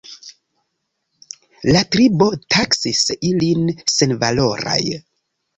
La tribo taksis ilin senvaloraj.